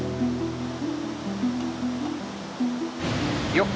よっ！